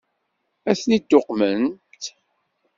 Ad ten-id-tuqmemt?